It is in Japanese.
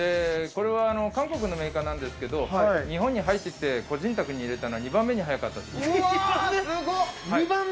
これは韓国のメーカーなんですけど、日本に入ってきて個人宅に入れたのは二番目に早かったっていう。